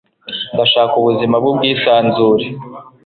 ndashaka ubuzima bwubwisanzure